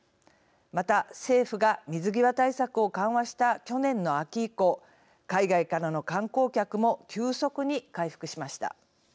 また、政府が水際対策を緩和した去年の秋以降海外からの観光客も急速に回復しました。